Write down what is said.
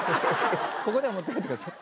ここでは持って帰ってください。